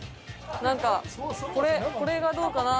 なんかこれこれがどうかなって。